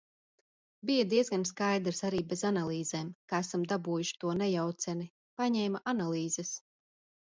Bija diezgan skaidrs, arī bez analīzēm, ka esam dabūjuši to nejauceni. Paņēma analīzes.